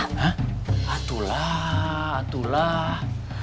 hah atulah atulah